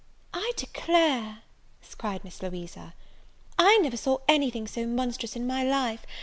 "I declare," cried Miss Louisa, "I never saw any thing so monstrous in my life!